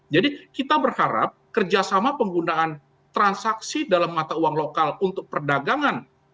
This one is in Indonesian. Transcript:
jadi kita berharap kerjasama penggunaan transaksi dalam mata uang lokal untuk perdagangan